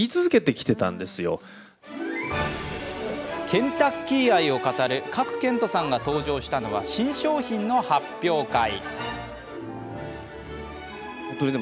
ケンタッキー愛を語る賀来賢人さんが登場したのは新商品の発表会。